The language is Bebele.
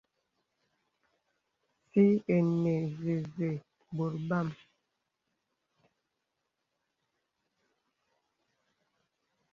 Sì ìnə zəzə bɔ̀t bàm.